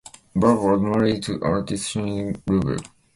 Black was married to artist Shirley Lubell.